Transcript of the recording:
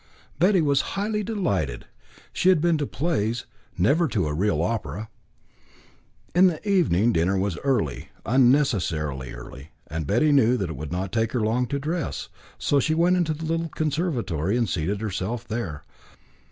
Betty was highly delighted. She had been to plays, never to a real opera. In the evening, dinner was early, unnecessarily early, and Betty knew that it would not take her long to dress, so she went into the little conservatory and seated herself there.